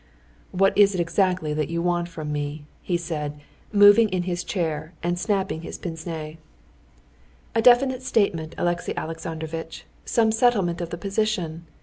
"What is it exactly that you want from me?" he said, moving in his chair and snapping his pince nez. "A definite settlement, Alexey Alexandrovitch, some settlement of the position.